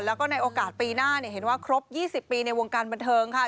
แล้วก็ในโอกาสปีหน้าเห็นว่าครบ๒๐ปีในวงการบันเทิงค่ะ